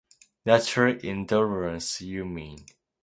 Natural indolence, you mean.